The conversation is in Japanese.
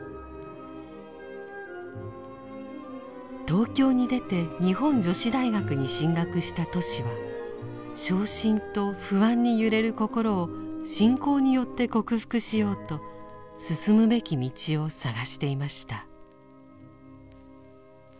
東京に出て日本女子大学に進学したトシは傷心と不安に揺れる心を信仰によって克服しようと進むべき道を探していました。